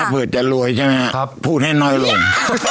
เผื่อจะรวยใช่ไหมครับพูดให้น้อยลง